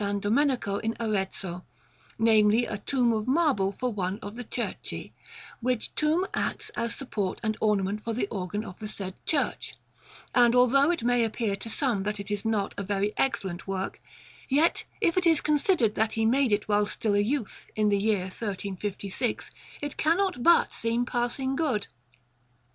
Domenico in Arezzo, namely, a tomb of marble for one of the Cerchi, which tomb acts as support and ornament for the organ of the said church; and although it may appear to some that it is not a very excellent work, yet, if it is considered that he made it while still a youth, in the year 1356, it cannot but seem passing good.